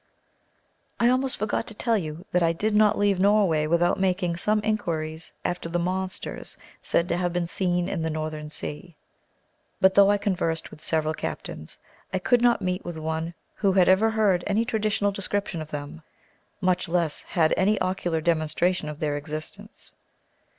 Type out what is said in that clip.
I almost forgot to tell you that I did not leave Norway without making some inquiries after the monsters said to have been seen in the northern sea; but though I conversed with several captains, I could not meet with one who had ever heard any traditional description of them, much less had any ocular demonstration of their existence.